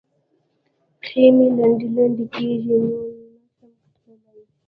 پښې مې لنډې لنډې کېږي؛ نور نه شم تلای.